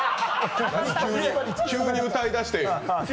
急に歌い出して。